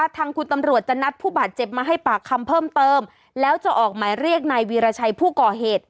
ทางคุณตำรวจจะนัดผู้บาดเจ็บมาให้ปากคำเพิ่มเติมแล้วจะออกหมายเรียกนายวีรชัยผู้ก่อเหตุ